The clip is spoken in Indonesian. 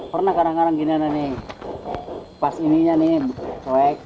pernah kadang kadang begini nih pas ini nih sobek